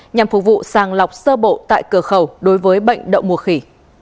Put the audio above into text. nhằm phục vụ sàng lọc sơ bộ tại cửa khẩu đối với bệnh đậu mùa khỉ